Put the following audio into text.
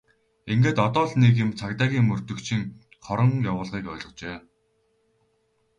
Ингээд одоо л нэг юм цагдаагийн мөрдөгчийн хорон явуулгыг ойлгожээ!